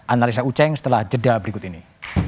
analisa uceng setelah jeda berikut ini